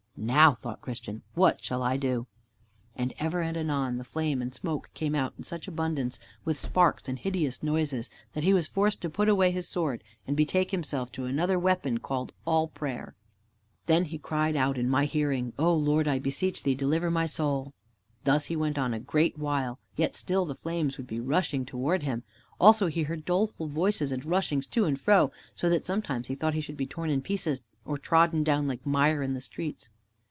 "Now," thought Christian, "what shall I do?" And ever and anon the flame and smoke came out in such abundance, with sparks and hideous noises, that he was forced to put away his sword and betake himself to another weapon, called All prayer. Then he cried out in my hearing, "O Lord, I beseech thee, deliver my soul." Thus he went on a great while, yet still the flames would be rushing towards him. Also he heard doleful voices and rushings to and fro, so that sometimes he thought he should be torn in pieces, or trodden down like mire in the streets.